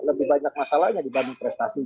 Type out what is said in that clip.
lebih banyak masalahnya dibanding prestasi